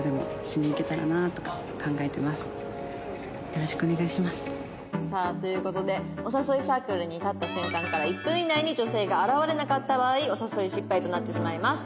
「よろしくお願いします」さあという事でお誘いサークルに立った瞬間から１分以内に女性が現れなかった場合お誘い失敗となってしまいます。